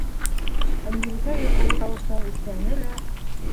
Ынйыбикә йоҡоло тауыш менән иҫнәне лә: